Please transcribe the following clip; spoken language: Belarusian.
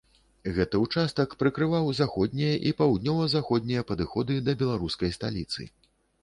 Гэты участак прыкрываў заходнія і паўднёва-заходнія падыходы да беларускай сталіцы.